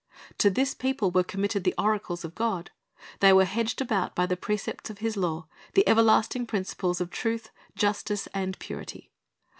To this people were committed the oracles of God, They were hedged about by the precepts of His law, the everlasting principles of truth, justice, and purity.